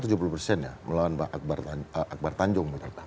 tujuh puluh persen ya melawan pak akbar tanjung